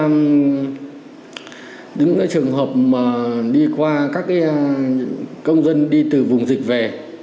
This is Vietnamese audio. những trường hợp đi qua các công dân đi từ vùng dịch về